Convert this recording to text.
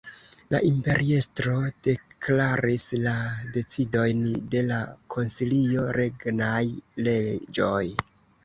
La imperiestro deklaris la decidojn de la koncilio regnaj leĝoj.